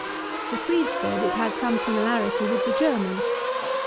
The Swede said, it had some similarity with the German.